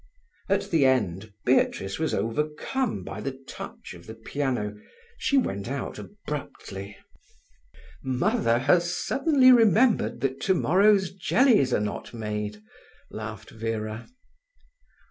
At the end Beatrice was overcome by the touch of the piano. She went out abruptly. "Mother has suddenly remembered that tomorrow's jellies are not made," laughed Vera.